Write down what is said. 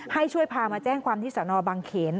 ให้ช่วยพามาแจ้งความที่สนบางเขน